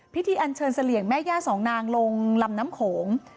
อันเชิญเสลี่ยงแม่ย่าสองนางลงลำน้ำโขง